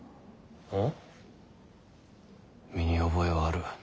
身に覚えはある。